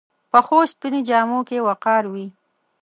پخو سپینو جامو کې وقار وي